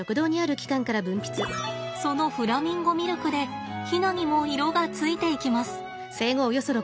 そのフラミンゴミルクでヒナにも色がついていきます。